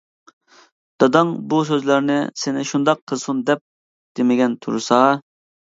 داداڭ بۇ سۆزلەرنى سېنى شۇنداق قىلسۇن دەپ دېمىگەن تۇرسا.